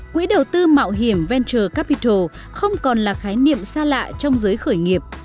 quỹ đầu tư mạo hiểm venture capital không còn là khái niệm xa lạ trong giới khởi nghiệp